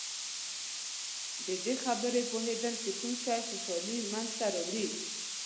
د دې خبرې پوهېدل چې کوم شی خوشحالي منځته راوړي.